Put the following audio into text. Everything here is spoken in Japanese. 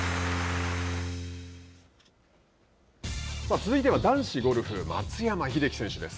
続いては、男子ゴルフ松山英樹選手です。